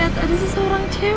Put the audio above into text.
kamu kenapa din